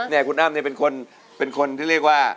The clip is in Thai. นี่คุณอ้ามเป็นคนที่เรียกว่า